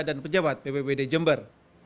dan pejabat ppbd jember